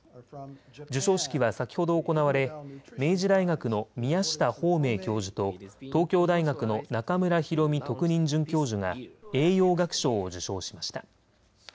授賞式は先ほど行われ明治大学の宮下芳明教授と東京大学の中村裕美特任准教授が栄養学賞を受賞しました。